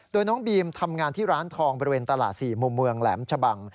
โดยน้องบีมทำงานที่ร้านทองบริเวณตลาด๔มุมเมืองแหลมชะบัง